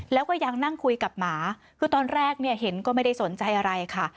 แล้วก็ยังนั่งคุยกับหมาคือตอนแรกเนี่ยเห็นก็ไม่ได้สนใจอะไรค่ะ